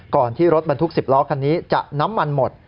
ที่รถบรรทุก๑๐ล้อคันนี้จะน้ำมันหมด